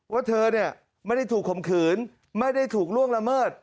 ว่าเธอเนี่ยไม่ได้ถูกข่มขืนไม่ได้ถูกล่วงละเมิด